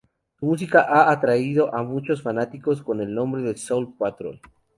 Su música ha atraído a muchos fanáticos, con el nombre "Soul Patrol".